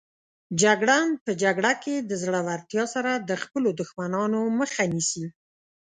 جګړن په جګړه کې د زړورتیا سره د خپلو دښمنانو مخه نیسي.